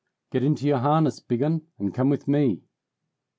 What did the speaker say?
"Get into your harness, big 'un, and come with me."